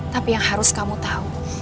tapi yang harus kamu tahu